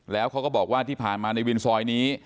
แล้วเขาก็บอกว่าที่ผ่านมาในวินซอยนี้